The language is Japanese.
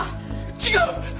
違う！